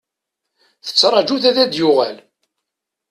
Tettraju-t ad d-yuɣal.